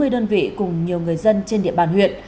hai mươi đơn vị cùng nhiều người dân trên địa bàn huyện